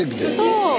そう！